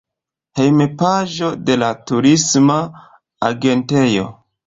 Hejmpaĝo de la turisma agentejo.